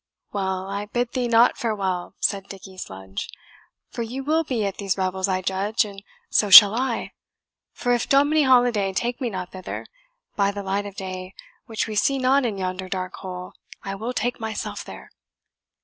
"Well, I bid thee not farewell," said Dickie Sludge, "for you will be at these revels, I judge, and so shall I; for if Dominie Holiday take me not thither, by the light of day, which we see not in yonder dark hole, I will take myself there!"